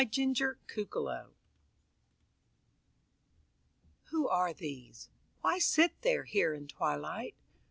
Mental Cases Who are these? Why sit they here in twilight?